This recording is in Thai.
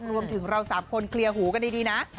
รวมถึงเรา๓คนเคลียร์หูกันดีนะ